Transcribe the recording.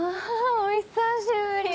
お久しぶり。